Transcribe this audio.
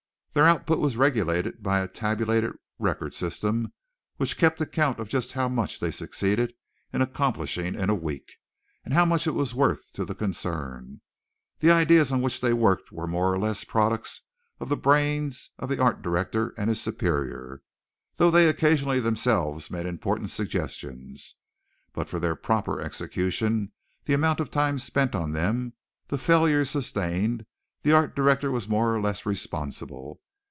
Their output was regulated by a tabulated record system which kept account of just how much they succeeded in accomplishing in a week, and how much it was worth to the concern. The ideas on which they worked were more or less products of the brains of the art director and his superior, though they occasionally themselves made important suggestions, but for their proper execution, the amount of time spent on them, the failures sustained, the art director was more or less responsible.